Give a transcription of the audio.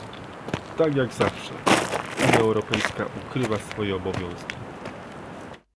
Tak jak zawsze, Unia Europejska ukrywa swoje obowiązki